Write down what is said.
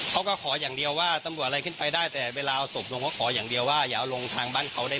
เค้าก็ขออย่างเดียวว่าตำรวจอะไรขึ้นไปได้